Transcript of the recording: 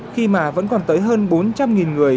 khi mà vẫn còn tới hơn bốn trăm linh người